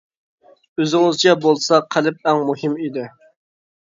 ئۆزىڭىزچە بولسا قەلب ئەڭ مۇھىم ئىدى.